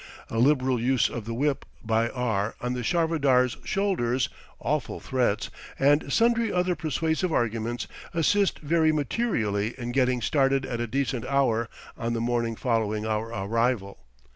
A liberal use of the whip by R on the charvadars' shoulders, awful threats, and sundry other persuasive arguments, assist very materially in getting started at a decent hour on the morning following our arrival.